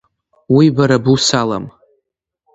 Уи бара бус алам!